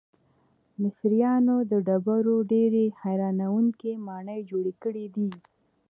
مصریانو د ډبرو ډیرې حیرانوونکې ماڼۍ جوړې کړې دي.